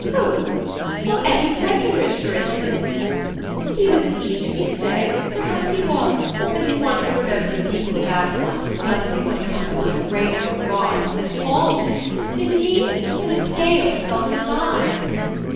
Who? Well, Eddy Breckenridge, for instance. He was in Egypt, you say? Perhaps he was! As if one could remember the people about one, when suddenly one comes upon a great work of art, as St. Paul did didn't he? and the scales fell from his eyes.